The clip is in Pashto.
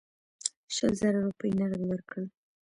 شل زره روپۍ نغدي ورکړل.